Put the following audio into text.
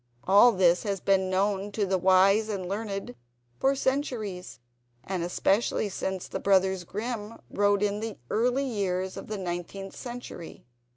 All this has been known to the wise and learned for centuries, and especially since the brothers Grimm wrote in the early years of the Nineteenth Century.